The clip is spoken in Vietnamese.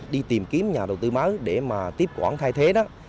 đi tìm kiếm nhà đầu tư mới để mà tiếp quản thay thế đó